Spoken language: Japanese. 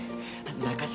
中島！